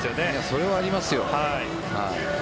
それはありますよ。